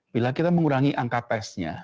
bila kita mengurangi angka testnya